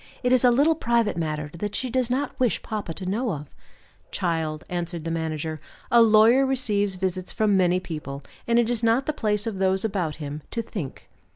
It is a little private matter that she does not wish papa to know of." "Child," answered the manager, "a lawyer receives visits from many people; and it is not the place of those about him to 'think.